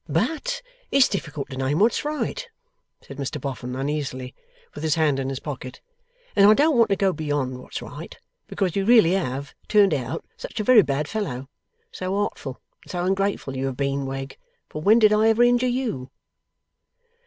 'But it's difficult to name what's right,' said Mr Boffin uneasily, with his hand in his pocket, 'and I don't want to go beyond what's right, because you really have turned out such a very bad fellow. So artful, and so ungrateful you have been, Wegg; for when did I ever injure you?